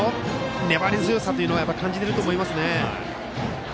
粘り強さはやっぱり感じていると思いますね。